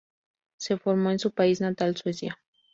Se formó en su país natal, Suecia.